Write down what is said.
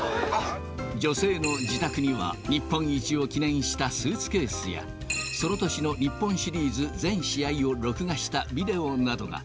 女性の自宅には、日本一を記念したスーツケースや、その年の日本シリーズ全試合を録画したビデオなどが。